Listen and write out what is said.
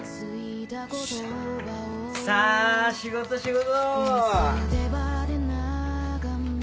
さ仕事仕事。